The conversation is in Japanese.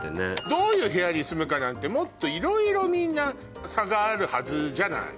どういう部屋に住むかなんてもっといろいろみんな差があるはずじゃない。